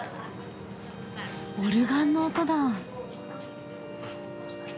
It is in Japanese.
オルガンの音だ。